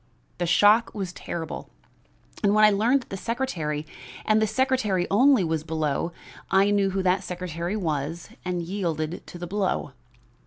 The shock was terrible, and when I learned that the secretary, and the secretary only, was below, I knew who that secretary was and yielded to the blow.